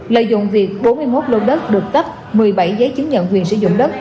lợi dụng việc bốn mươi một lô đất được cấp một mươi bảy giấy chứng nhận quyền sử dụng đất